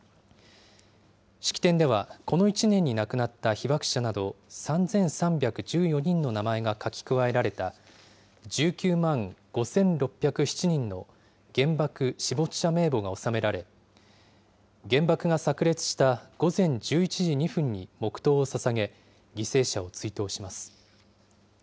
式典では、この１年に亡くなった被爆者など３３１４人の名前が書き加えられた１９万５６０７人の原爆死没者名簿が納められ、原爆がさく裂した午前１１時２分に黙とうをささげ、犠牲者を追悼します。